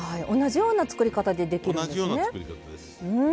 同じような作り方でできるんですね。